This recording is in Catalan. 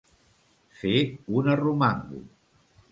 Fer un arromango.